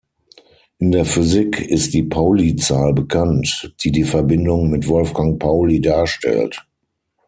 In der Physik ist die Pauli-Zahl bekannt, die die Verbindung mit Wolfgang Pauli darstellt.